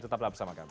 tetaplah bersama kami